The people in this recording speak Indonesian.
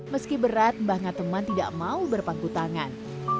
meski berat banga teman tidak mau berpangku tangan